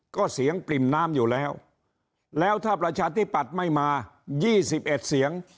ก็เสียงปริ่นน้ำอยู่แล้วแล้วถ้าประชาธิบัติไม่มายี่สิบเอ็ดเสียง